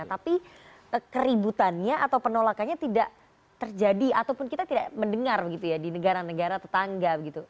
tapi keributannya atau penolakannya tidak terjadi ataupun kita tidak mendengar begitu ya di negara negara tetangga gitu